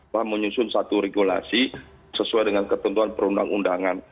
bahwa menyusun satu regulasi sesuai dengan ketentuan perundang undangan